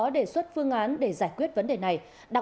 dạ đúng rồi anh ạ